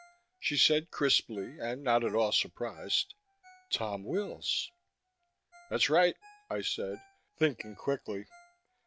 She said crisply, and not at all surprised: "Tom Wills." "That's right," I said, thinking quickly.